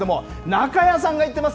中谷さんが行っています。